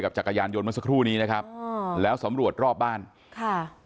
จักรยานยนต์เมื่อสักครู่นี้นะครับอืมแล้วสำรวจรอบบ้านค่ะ